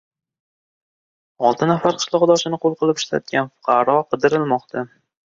Olti nafar qishloqdoshini qul qilib ishlatgan fuqaro qidirilmoqda